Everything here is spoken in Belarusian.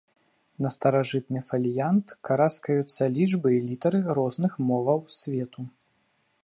На старажытны фаліянт караскаюцца лічбы і літары розных моваў свету.